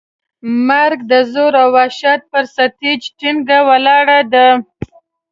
مرګ د زور او وحشت پر سټېج ټینګ ولاړ و.